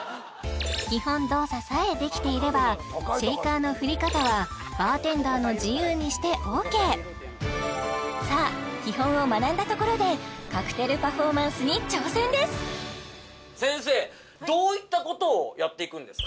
基本動作さえできていればシェイカーの振り方はバーテンダーの自由にしてＯＫさあ基本を学んだところで先生どういったことをやっていくんですか？